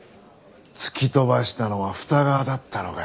突き飛ばしたのは二川だったのか。